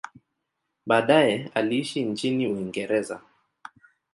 Baadaye aliishi nchini Uingereza.